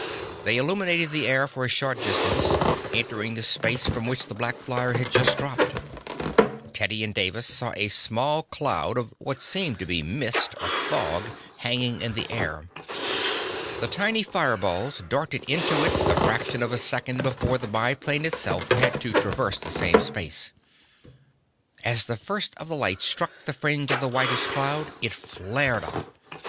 They illuminated the air for a short distance, entering the space from which the black flyer had just dropped. Teddy and Davis saw a small cloud of what seemed to be mist or fog hanging in the air. The tiny fire balls darted into it the fraction of a second before the biplane itself had to traverse the same space. As the first of the lights struck the fringe of the whitish cloud it flared up.